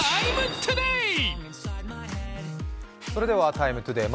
「ＴＩＭＥ，ＴＯＤＡＹ」